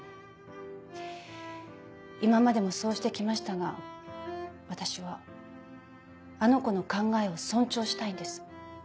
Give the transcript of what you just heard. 今までもそうして来ましたが私はあの子の考えを尊重したいんです。